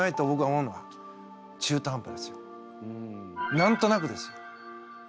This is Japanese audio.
なんとなくですよ。